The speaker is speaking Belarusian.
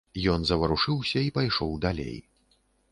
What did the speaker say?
Ён заварушыўся і пайшоў далей.